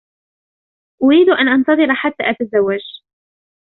أريد أن أنتظر حتى أتزوج.